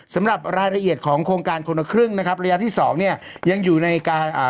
สำหรับรายละเอียดของโครงการคนละครึ่งนะครับระยะที่สองเนี่ยยังอยู่ในการอ่า